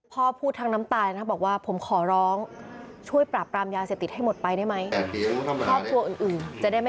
พ่อพูดทั้งน้ำตายนะบอกว่าผมขอร้องช่วยปราบปรามยาเสพติดให้หมดไปได้ไหม